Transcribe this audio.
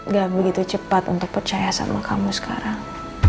gak begitu cepat untuk percaya sama kamu sekarang